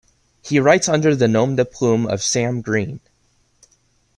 He writes under the nom-de-plume of Sam Green.